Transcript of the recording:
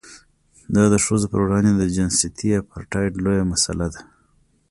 دا د ښځو پر وړاندې د جنسیتي اپارټایډ لویه مسله ده.